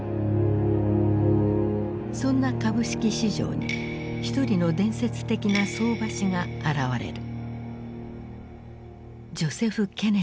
そんな株式市場に一人の伝説的な相場師が現れる。